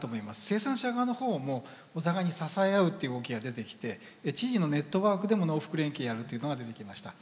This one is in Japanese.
生産者側の方もお互いに支え合うっていう動きが出てきて知事のネットワークでも農福連携やるというのが出てきました。